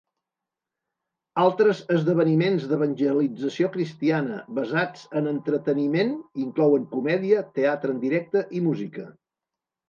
Altres esdeveniments d'evangelització cristiana basats en entreteniment inclouen comèdia, teatre en directe i música.